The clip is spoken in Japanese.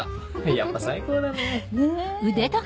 やっぱ最高だね。ね。